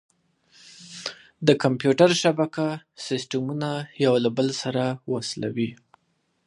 د کمپیوټر شبکه سیسټمونه یو له بل سره وصلوي.